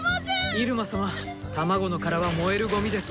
イルマ様卵のカラは燃えるゴミです。